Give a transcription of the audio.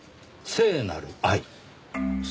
聖なる愛？